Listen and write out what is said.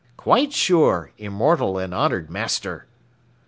"Quite sure, Immortal and Honored Master!"